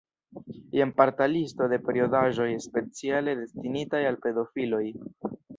Jen parta listo de periodaĵoj speciale destinitaj al pedofiloj.